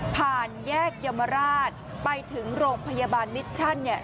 ผ่านแยกเยมราชไปถึงโรงพยาบาลมิชชั่นเนี่ย